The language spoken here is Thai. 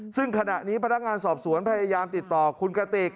ซึ่งขณะนี้พนักงานสอบสวนพยายามติดต่อคุณกระติก